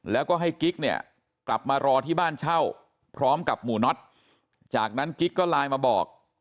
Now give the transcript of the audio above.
แล้วก็ให้กิ๊กเนี่ยกลับมารอที่บ้านเช่าพร้อมกับหมู่น็อตจากนั้นกิ๊กก็ไลน์มาบอก